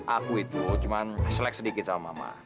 aku itu cuma selek sedikit sama mama